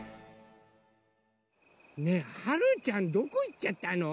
はるちゃんどこいっちゃったの？